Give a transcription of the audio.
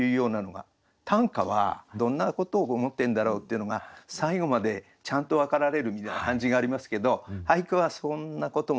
短歌はどんなことを思ってんだろう？っていうのが最後までちゃんと分かられるみたいな感じがありますけど俳句はそんなこともなく。